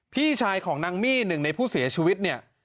พี่ชายของนางมี่หนึ่งในผู้เสียชีวิตเนี่ย